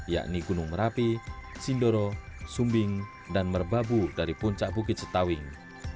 yakni gunung merapi sindoro sumbing dan merbabu dari puncak bukit setawing